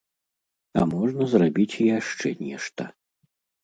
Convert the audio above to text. А можна зрабіць і яшчэ нешта.